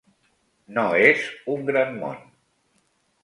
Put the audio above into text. No és un gran món.